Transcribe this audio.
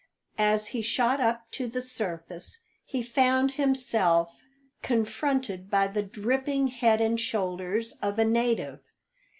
As he shot up to the surface he found himself confronted by the dripping head and shoulders of a native.